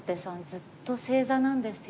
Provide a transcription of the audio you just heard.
ずっと正座なんですよね。